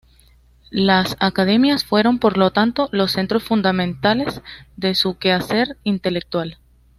Las academias fueron, por lo tanto, los centros fundamentales de su quehacer intelectual.